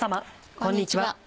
こんにちは。